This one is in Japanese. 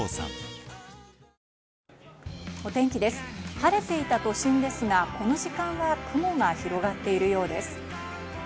晴れていた都心ですが、この時間は雲が広がっているようです。